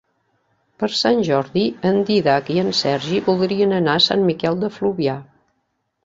Per Sant Jordi en Dídac i en Sergi voldrien anar a Sant Miquel de Fluvià.